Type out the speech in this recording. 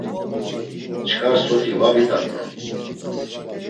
Çkar soti va vidaminon.